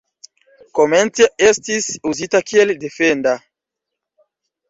Komence estis uzita kiel defenda.